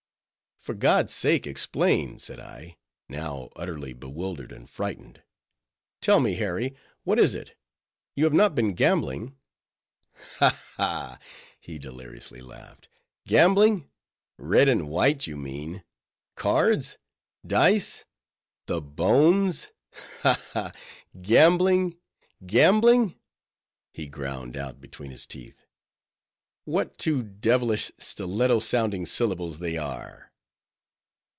"For God's sake explain," said I, now utterly bewildered, and frightened. "Tell me, Harry, what is it? You have not been gambling?" "Ha, ha," he deliriously laughed. "Gambling? red and white, you mean?—cards?—dice?—the bones?—Ha, ha!—Gambling? gambling?" he ground out between his teeth—"what two devilish, stiletto sounding syllables they are!"